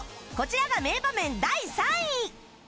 こちらが名場面第３位